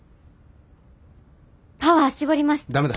パワー絞ります。